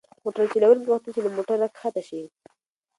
موټر چلونکي غوښتل چې له موټره کښته شي.